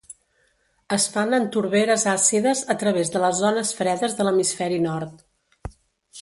Es fan en torberes àcides a través de les zones fredes de l'hemisferi nord.